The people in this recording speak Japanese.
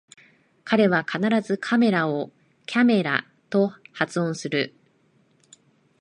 彼は必ずカメラをキャメラと発音する